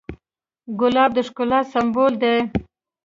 ګلاب د ښکلا سمبول دی.